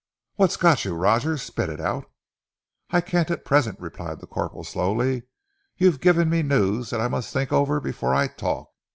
"What's got you, Roger! Spit it out!" "I can't at present," replied the corporal slowly. "You've given me news that I must think over before I talk.